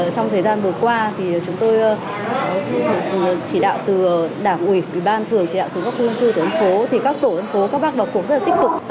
trong thời gian vừa qua chúng tôi chỉ đạo từ đảng ủy ủy ban thường chỉ đạo xuống các khu dân cư từ ấn phố thì các tổ ấn phố các bác vào cuộc rất là tích cực